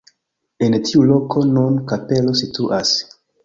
En tiu loko nun kapelo situas.